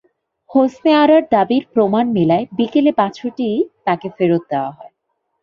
হোসনে আরার দাবির প্রমাণ মেলায় বিকেলে বাছুরটি তাঁকে ফেরত দেওয়া হয়।